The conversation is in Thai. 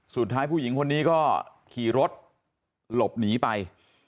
สุดท้ายผู้หญิงคนนี้ก็ขี่รถหลบหนีไป